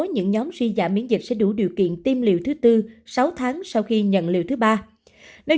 những nhóm suy giảm miễn dịch sẽ đủ điều kiện tiêm liều thứ bốn sáu tháng sau khi nhận liều thứ ba nếu